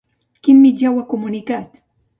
Quin mitjà ho ha comunicat?